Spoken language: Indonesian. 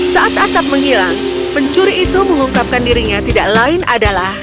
saat asap menghilang pencuri itu mengungkapkan dirinya tidak lain adalah